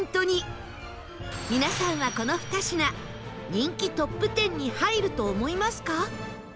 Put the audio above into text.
皆さんはこの２品人気トップ１０に入ると思いますか？